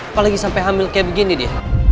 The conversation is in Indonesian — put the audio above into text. apalagi sampai hamil seperti ini